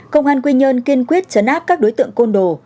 công an quy nhơn kiên quyết chấn áp các đối tượng côn đồ